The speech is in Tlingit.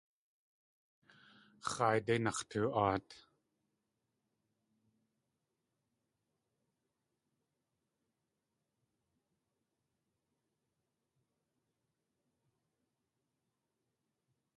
X̲aaydé nax̲too.aat.